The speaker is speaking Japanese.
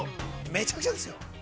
めちゃくちゃですよ。